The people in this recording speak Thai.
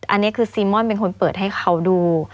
อันนี้คือซีม่อนเป็นคนเปิดให้เขาดู